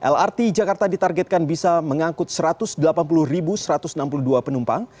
lrt jakarta ditargetkan bisa mengangkut satu ratus delapan puluh satu ratus enam puluh dua penumpang